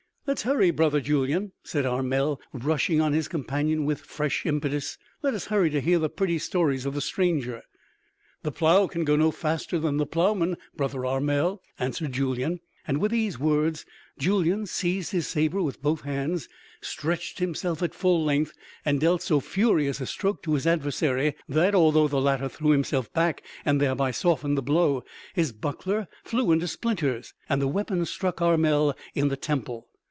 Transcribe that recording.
"Let's hurry, brother Julyan!" said Armel rushing on his companion with fresh impetus. "Let us hurry to hear the pretty stories of the stranger." "The plow can go no faster than the plowman, brother Armel," answered Julyan. With these words, Julyan seized his sabre with both hands, stretched himself at full length, and dealt so furious a stroke to his adversary that, although the latter threw himself back and thereby softened the blow, his buckler flew into splinters and the weapon struck Armel in the temple.